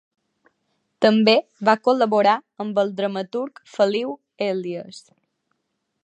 També va col·laborar amb el dramaturg Feliu Elies.